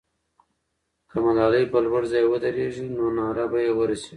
که ملالۍ پر لوړ ځای ودرېږي، نو ناره به یې ورسېږي.